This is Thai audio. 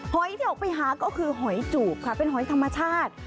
หอยที่ออกไปหาก็คือหอยจูบค่ะเป็นหอยธรรมชาติ